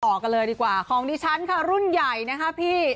ออกกันเลยดีกว่าของดิฉันค่ะรุ่นใหญ่นะคะพี่